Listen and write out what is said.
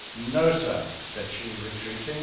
" No, sir," said she, retreating.